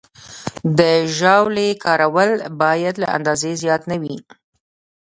د ژاولې کارول باید له اندازې زیات نه وي.